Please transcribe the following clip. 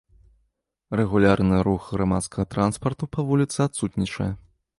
Рэгулярны рух грамадскага транспарту па вуліцы адсутнічае.